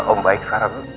om baik tau